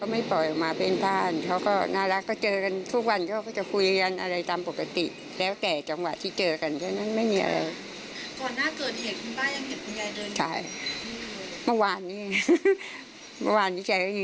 นิสัยเมื่อวานนี่เมื่อวานนี่เองก็เลยเดินออกมาออกมาอยู่ในซอยตรงนี้